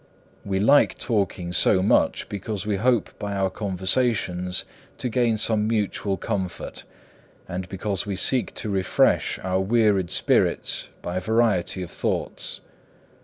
We like talking so much because we hope by our conversations to gain some mutual comfort, and because we seek to refresh our wearied spirits by variety of thoughts.